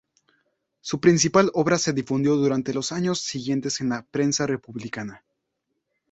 Su principal obra se difundió durante los años siguientes en la prensa republicana.